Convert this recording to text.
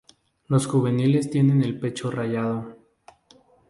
Los juveniles tienen el pecho rayado.